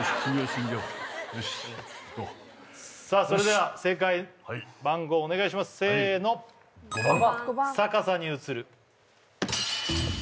それでは正解番号お願いしますせーの５番逆さに映る